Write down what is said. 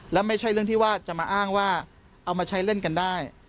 และไม่ใช่เรื่องที่ว่าจะมาอ้างว่าเอามาใช้เล่นกันได้